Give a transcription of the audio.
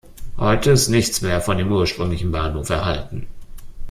Heute ist nichts mehr von dem ursprünglichen Bahnhof erhalten.